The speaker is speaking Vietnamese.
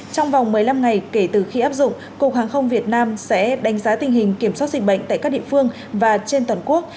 trong vòng một mươi năm ngày kể từ khi áp dụng cục hàng không việt nam sẽ đánh giá tình hình kiểm soát dịch bệnh tại các địa phương và trên toàn quốc